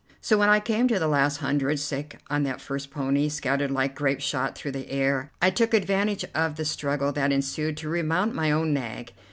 So when I came to the last hundred sek on the first pony, scattered like grape shot through the air, I took advantage of the struggle that ensued to remount my own nag.